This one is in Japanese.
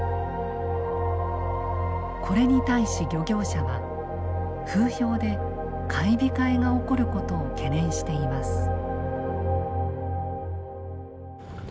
これに対し漁業者は風評で買い控えが起こることを懸念しています。